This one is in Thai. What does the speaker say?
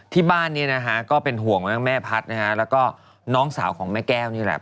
ที่บ้านนี้ก็เป็นห่วงแม่พัดและน้องสาวของแม่แก้วนี่แหละ